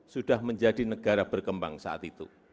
sudah menjadi negara berkembang saat itu